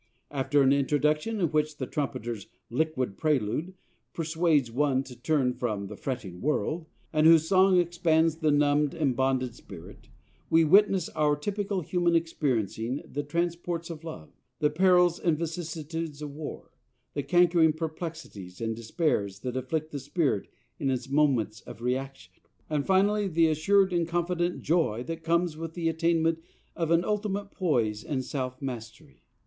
After an introduction in which the Trumpeter's "liquid prelude" persuades one to turn from "the fretting world," and whose song "expands the numb'd, embonded spirit," we witness our typical human experiencing the transports of love, the perils and vicissitudes of war, the cankering perplexities and despairs that afflict the spirit in its moments of reaction; and, finally, the assured and confident joy that comes with the attainment of an ultimate poise and self mastery.